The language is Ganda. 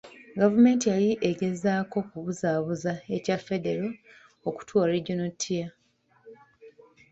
Gavumenti yali egezaako kubuzaabuza ekya Federo okutuwa Regional tier.